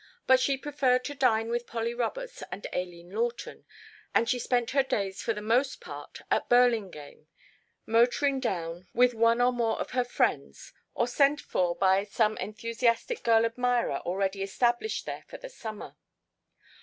But she preferred to dine with Polly Roberts and Aileen Lawton, and she spent her days for the most part at Burlingame, motoring down with one or more of her friends, or sent for by some enthusiastic girl admirer already established there for the summer.